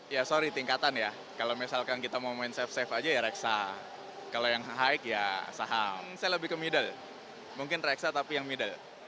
ya sorry tingkatan ya kalau misalkan kita mau main safe safe aja ya reksa kalau yang high ya saham saya lebih ke middle mungkin reksa tapi yang middle